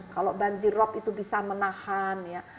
kalau banjirop itu bisa menahan ya